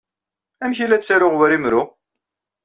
Amek ay la ttaruɣ war imru?